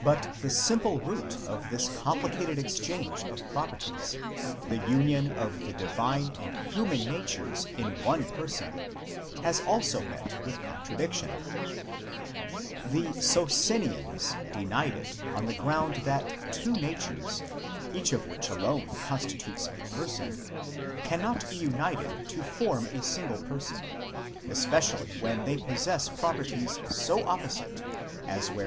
But the simple root of this complicated exchange of properties, the union of the divine and human natures in one person, has also met with contradiction. The Socinians denied it on the ground that two natures, each of which alone constitutes a person, cannot be united to form a single person, especi ally when they possess properties so opposite, as where the one is immortal, 1 See the Oratio appended to the locus de pers.